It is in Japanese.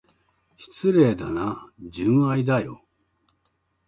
失礼だな、純愛だよ。